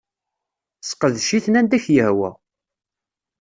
Sseqdec-iten anda k-yehwa.